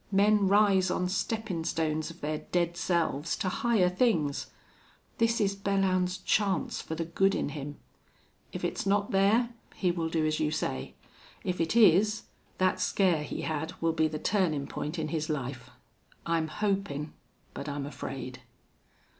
Men rise on steppin' stones of their dead selves to higher things!... This is Belllounds's chance for the good in him. If it's not there he will do as you say. If it is that scare he had will be the turnin' point in his life. I'm hopin', but I'm afraid."